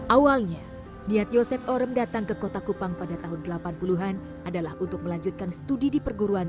awalnya niat yosep orem datang ke kota kupang pada tahun delapan puluh an adalah untuk melanjutkan studi di perguruan